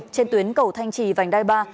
trên tuyến cầu thanh trì vành đai ba